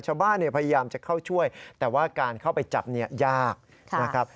ชาวบ้านพยายามจะเข้าช่วยแต่ว่าการเข้าไปจับยากนะครับ